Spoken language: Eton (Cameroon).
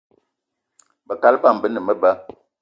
Be kaal bama be ne meba